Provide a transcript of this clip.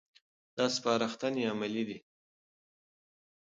دا سپارښتنې عملي دي.